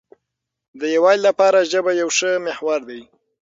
د یووالي لپاره ژبه یو ښه محور دی.